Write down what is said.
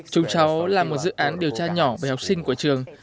chúng cháu là một dự án điều tra nhỏ về học sinh của trường